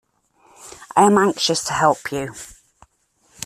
I am anxious to help you.